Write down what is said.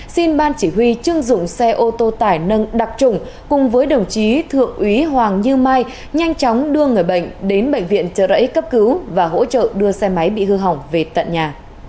xin ban chỉ huy chưng dụng xe ô tô tải nâng đặc trùng cùng với đồng chí thượng úy hoàng như mai nhanh chóng đưa người bệnh đến bệnh viện trợ rẫy cấp cứu và hỗ trợ đưa xe máy bị hư hỏng về tận nhà